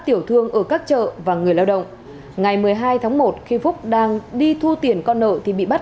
tiểu thương ở các chợ và người lao động ngày một mươi hai tháng một khi phúc đang đi thu tiền con nợ thì bị bắt